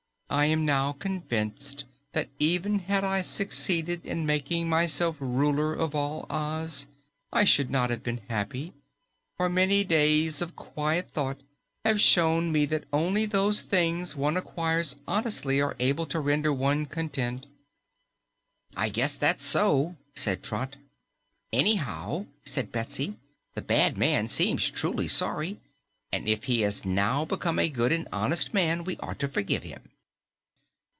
I am now convinced that even had I succeeded in making myself ruler of all Oz, I should not have been happy, for many days of quiet thought have shown me that only those things one acquires honestly are able to render one content." "I guess that's so," said Trot. "Anyhow," said Betsy, "the bad man seems truly sorry, and if he has now become a good and honest man, we ought to forgive him."